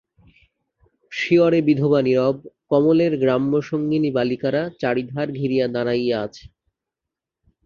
শিয়রে বিধবা নীরব, কমলের গ্রাম্য সঙ্গিনী বালিকারা চারি ধার ঘিরিয়া দাঁড়াইয়া আছে।